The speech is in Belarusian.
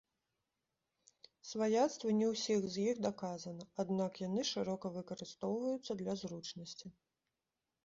Сваяцтва не ўсіх з іх даказана, аднак яны шырока выкарыстоўваюцца для зручнасці.